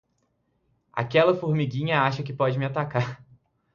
Aquela formiguinha acha que pode me atacar.